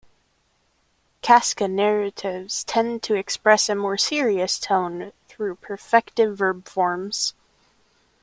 Kaska narratives tend to express a more serious tone through perfective verb forms.